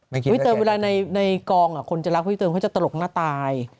แบบพี่เติมเวลาในกล่องคนจรกพี่เติมจะตลกหน้าตาย